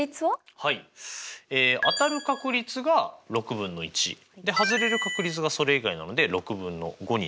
当たる確率が６分の１はずれる確率がそれ以外なので６分の５になりますね。